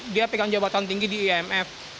dia pegang jabatan tinggi di imf